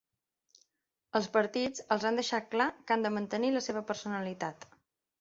Als partits els hem deixat clar que han de mantenir la seva personalitat.